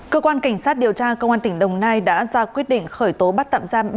cơ quan cảnh sát điều tra công an tỉnh đồng nai đã ra quyết định khởi tố bắt tạm giam